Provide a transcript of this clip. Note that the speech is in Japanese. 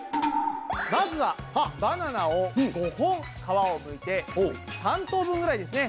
まずはバナナを５本皮をむいて３等分ぐらいですね